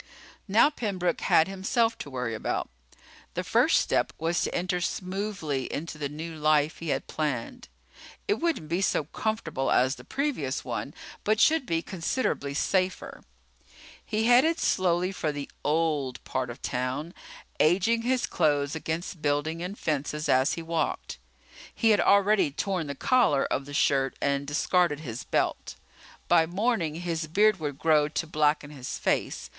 Now Pembroke had himself to worry about. The first step was to enter smoothly into the new life he had planned. It wouldn't be so comfortable as the previous one, but should be considerably safer. He headed slowly for the "old" part of town, aging his clothes against buildings and fences as he walked. He had already torn the collar of the shirt and discarded his belt. By morning his beard would grow to blacken his face.